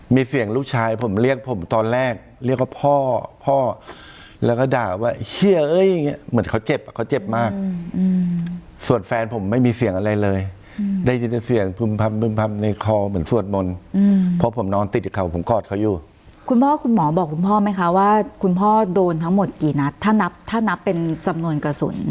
มีเสียงลูกชายผมเรียกผมตอนแรกเรียกว่าพ่อพ่อแล้วก็ด่าว่าเฮียเอ้ยอย่างเงี้เหมือนเขาเจ็บอ่ะเขาเจ็บมากส่วนแฟนผมไม่มีเสียงอะไรเลยได้ยินแต่เสียงพึ่มพำพึ่มพำในคอเหมือนสวดมนต์เพราะผมนอนติดกับเขาผมกอดเขาอยู่คุณพ่อคุณหมอบอกคุณพ่อไหมคะว่าคุณพ่อโดนทั้งหมดกี่นัดถ้านับถ้านับเป็นจำนวนกระสุน